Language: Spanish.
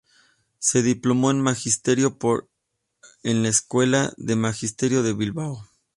Se diplomó en magisterio por en la escuela de magisterio de Bilbao.